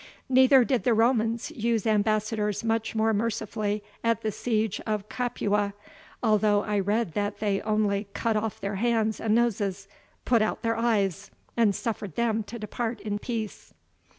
Neither did the Romans use ambassadors much more mercifully at the siege of Capua, although I read that they only cut off their hands and noses, put out their eyes, and suffered them to depart in peace."